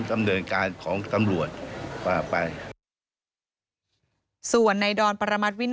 ส่วนเรื่องของการทำผิดนั่นก็เป็นเรื่องของการสอบสวน